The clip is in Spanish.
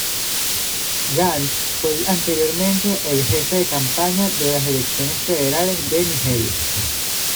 Gant fue anteriormente el jefe de campaña de las elecciones federales de Nigeria.